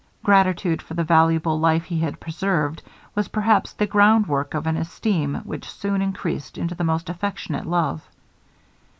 Gratitude for the valuable life he had preserved, was perhaps the groundwork of an esteem which soon increased into the most affectionate love.